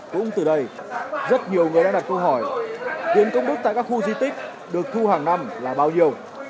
cũng từ đây rất nhiều người đã đặt câu hỏi tiền công đức tại các khu di tích được thu hàng năm là bao nhiêu